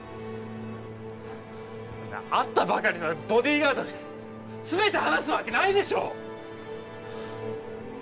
会ったばかりのボディーガードに全て話すわけないでしょう！